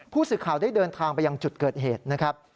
ผู้สื่อข่าวได้เดินทางไปยังจุดเกิดเหตุนะครับ